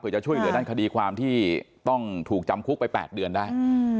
จะช่วยเหลือด้านคดีความที่ต้องถูกจำคุกไป๘เดือนได้